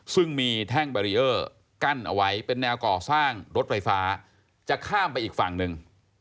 ซึ่งมีแท่งแบรีเออร์กั้นเอาไว้เป็นแนวก่อสร้างรถไฟฟ้าจะข้ามไปอีกฝั่งหนึ่ง